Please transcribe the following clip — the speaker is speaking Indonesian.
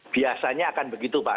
biasanya akan begitu pak